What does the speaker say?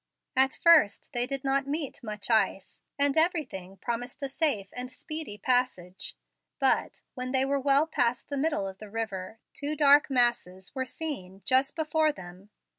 At first they did not meet much ice, and everything promised a safe and speedy passage; but, when they were well past the middle of the river, two dark masses were seen just before them.